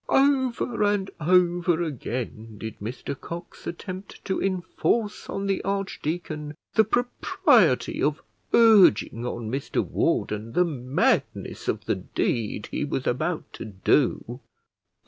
Over and over again did Mr Cox attempt to enforce on the archdeacon the propriety of urging on Mr Warden the madness of the deed he was about to do.